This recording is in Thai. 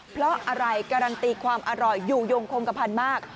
เพราะอะไรการันตีความอร่อยอยู่ยงคงกระพันธุ์มาก